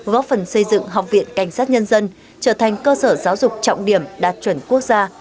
góp phần xây dựng học viện cảnh sát nhân dân trở thành cơ sở giáo dục trọng điểm đạt chuẩn quốc gia